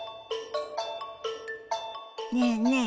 ねえねえ